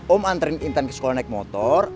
om antren intan ke sekolah naik motor